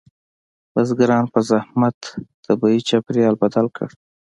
بزګرانو په زحمت طبیعي چاپیریال بدل کړ.